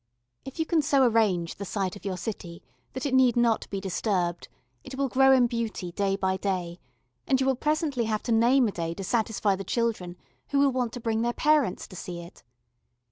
If you can so arrange the site of your city that it need not be disturbed, it will grow in beauty day by day, and you will presently have to name a day to satisfy the children who will want to bring their parents to see it.